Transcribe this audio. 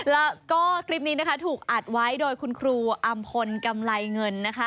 แล้วก็คลิปนี้นะคะถูกอัดไว้โดยคุณครูอำพลกำไรเงินนะคะ